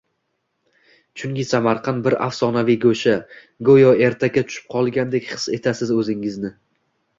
Chunki Samarqand bir afsonaviy go‘sha, goʻyo ertakka tushib qolgandek his etasiz oʻzingizni.